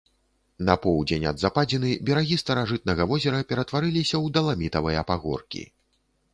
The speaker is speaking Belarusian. На поўдзень ад западзіны берагі старажытнага возера ператварыліся ў даламітавыя пагоркі.